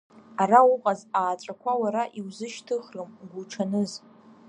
Ара уҟаз, ааҵәақәа уара иузышьҭыхрым, угәуҽаныз!